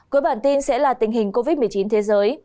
cuối bản tin sẽ là tình hình covid một mươi chín thế giới